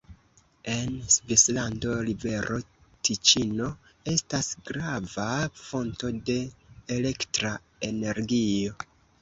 En Svislando rivero Tiĉino estas grava fonto de elektra energio.